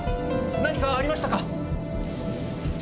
何かありましたか？